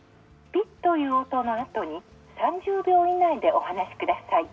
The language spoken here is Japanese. ぴっという音のあとに３０秒以内で、お話しください。